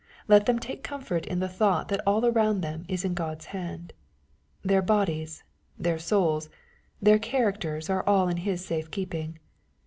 Let them take comfort in the thought that all around them is in God's hand. Their bodies, their souls, their characters are all in His safe keeping.